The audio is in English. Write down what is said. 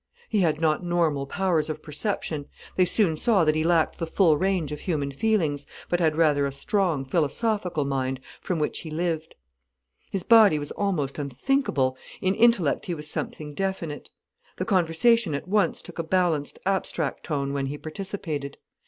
He had not normal powers of perception. They soon saw that he lacked the full range of human feelings, but had rather a strong, philosophical mind, from which he lived. His body was almost unthinkable, in intellect he was something definite. The conversation at once took a balanced, abstract tone when he participated.